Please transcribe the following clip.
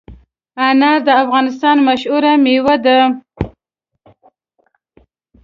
انار د افغانستان مشهور مېوه ده.